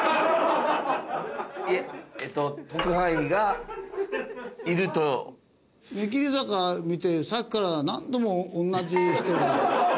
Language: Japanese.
いええっと特派員がいると。目切坂見てさっきから何度も同じ人が。